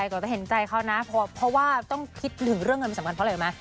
ก่อนจะเห็นใจเขานะเพราะว่าต้องคิดถึงเรื่องเงินมันสำคัญเพราะอะไรรู้ไหม